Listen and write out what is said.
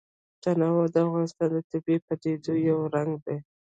تنوع د افغانستان د طبیعي پدیدو یو رنګ دی.